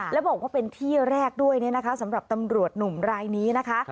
แล้วบอกว่าเป็นที่แรกด้วยเนี่ยนะคะสำหรับตำรวจหนุ่มรายนี้นะคะ